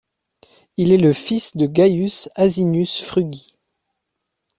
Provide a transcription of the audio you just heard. Il est le fils de Gaius Asinius Frugi.